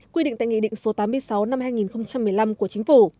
quy định tại nghị định số tám mươi sáu năm hai nghìn một mươi năm của chính phủ